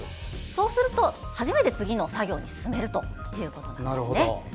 そうすると初めて次の作業に進めるということですね。